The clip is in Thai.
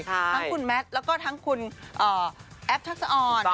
ทั้งคุณแมทแล้วก็ทั้งคุณแอฟทักษะออน